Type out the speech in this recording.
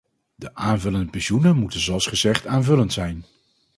De aanvullende pensioenen moeten zoals gezegd aanvullend zijn.